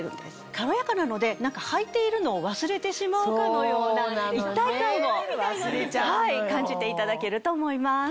軽やかなのではいているのを忘れてしまうかのような一体感を感じていただけると思います。